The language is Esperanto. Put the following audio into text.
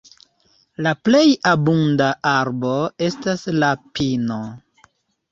La plej abunda arbo estas la pino.